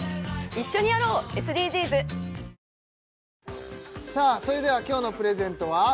一緒にやろう、ＳＤＧｓさあそれでは今日のプレゼントは？